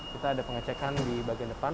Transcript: kita ada pengecekan di bagian depan